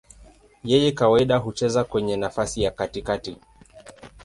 Yeye kawaida hucheza kwenye nafasi ya katikati.